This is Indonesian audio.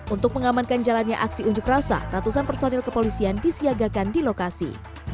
untuk mengamankan jalannya aksi unjuk rasa ratusan personil kepolisian disiagakan di lokasi